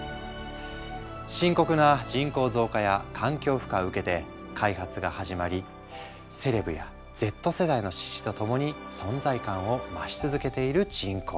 深刻な人口増加や環境負荷を受けて開発が始まりセレブやＺ世代の支持と共に存在感を増し続けている人工肉。